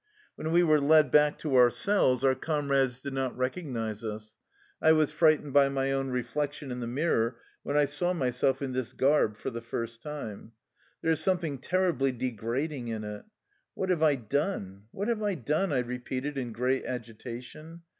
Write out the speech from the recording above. When we were led back to our cells our comrades did not recognize us. I was frightened by my own reflection in the mirror when I saw myself in this garb for the first time. There is something terribly degrad ing in it. "What have I done? what have I done?'' I repeated in great agitation.